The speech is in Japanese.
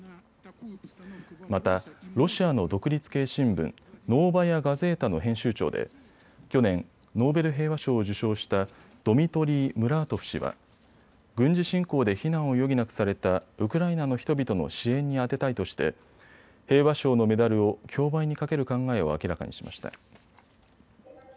またロシアの独立系新聞、ノーバヤ・ガゼータの編集長で去年、ノーベル平和賞を受賞したドミトリー・ムラートフ氏は軍事侵攻で避難を余儀なくされたウクライナの人々の支援に充てたいとして平和賞のメダルを競売にかける考えを明らかにしました。